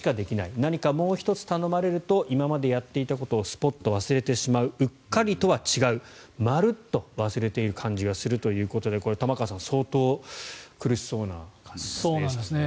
何かもう１つ頼まれると今までやっていたことをスポッと忘れてしまううっかりとは違うまるっと忘れている感じがするということで玉川さん相当苦しそうな感じですね。